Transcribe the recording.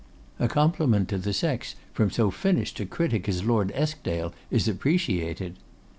'A compliment to the sex from so finished a critic as Lord Eskdale is appreciated.